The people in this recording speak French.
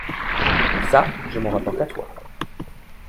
Cà, je m’en rapporte à toi…